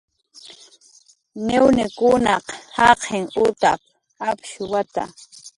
"Niwniekunaq jaqin utap"" apshuwata"